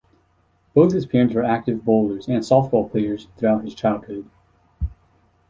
Both his parents were active bowlers and softball players throughout his childhood.